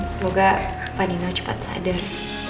semoga pak nino cepat sadar